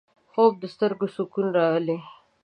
خوب د سترګو سکون راولي